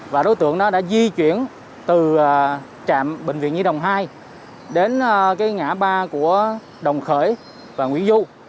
và đối tượng đó đã di chuyển từ trạm bệnh viện nhi đồng hai đến ngã ba của đồng khởi và nguyễn du